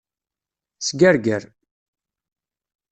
Sgerger.